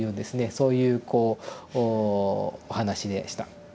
そういうこうお話でした。